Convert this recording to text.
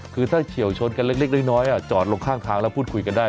คือถ้าเฉียวชนกันเล็กน้อยจอดลงข้างทางแล้วพูดคุยกันได้